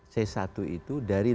c satu itu dari